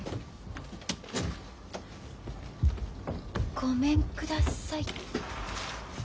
ごめんください。